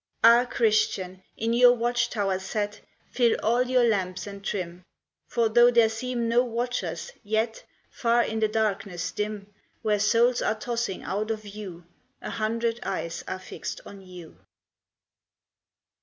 Ah, Christian, in your watch tower set, Fill all your lamps and trim ; For though there seem no watchers, yet Far in the darkness dim, Where souls are tossing out of view, A hundred eyes are fixed on you